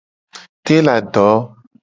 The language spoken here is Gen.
Telado.